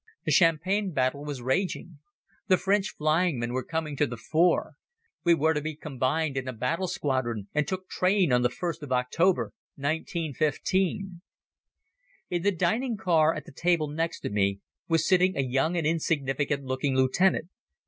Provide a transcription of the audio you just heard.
The Champagne battle was raging. The French flying men were coming to the fore. We were to be combined in a battle squadron and took train on the first of October, 1915. In the dining car, at the table next to me, was sitting a young and insignificant looking lieutenant.